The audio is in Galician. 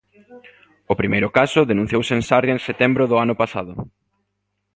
O primeiro caso denunciouse en Sarria en setembro do ano pasado.